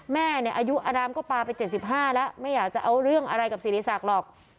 แม่เนี่ยอายุอนามก็ปลาไป๗๕แล้วไม่อยากจะเอาเรื่องอะไรกับสิริศักดิ์หรอก